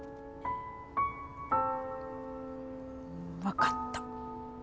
分かった。